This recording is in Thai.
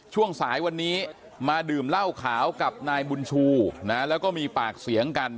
ช่วงสายวันนี้มาดื่มเหล้าขาวกับนายบุญชูนะแล้วก็มีปากเสียงกัน